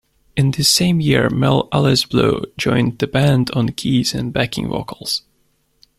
In this same year, Mel Allezbleu joined the band on keys and backing vocals.